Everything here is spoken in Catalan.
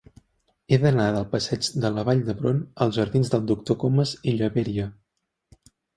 He d'anar del passeig de la Vall d'Hebron als jardins del Doctor Comas i Llaberia.